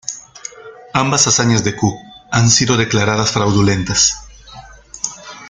Ambas hazañas de Cook han sido declaradas fraudulentas.